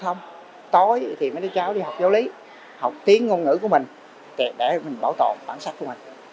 không tối thì mấy đứa cháu đi học giáo lý học tiếng ngôn ngữ của mình để mình bảo tồn bản sắc của mình